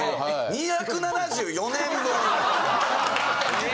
２７４年分。